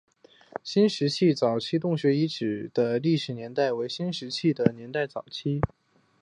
新石器早期洞穴遗址的历史年代为新石器时代早期。